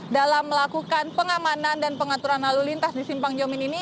dalam melakukan pengamanan dan pengaturan lalu lintas di simpang jomin ini